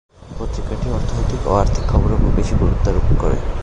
পত্রিকাটি অর্থনৈতিক ও আর্থিক খবরের উপর বেশি গুরুত্বারোপ করে।